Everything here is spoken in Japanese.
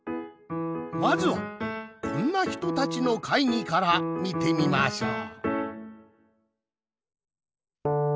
まずはこんな人たちの会議からみてみましょう。